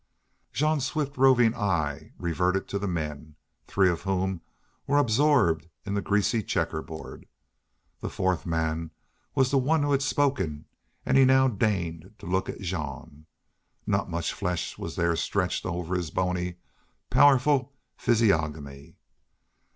Jean's swift roving eye reverted to the men, three of whom were absorbed in the greasy checkerboard. The fourth man was the one who had spoken and he now deigned to look at Jean. Not much flesh was there stretched over his bony, powerful physiognomy.